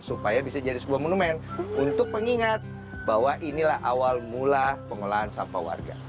supaya bisa jadi sebuah monumen untuk mengingat bahwa inilah awal mula pengelolaan sampah warga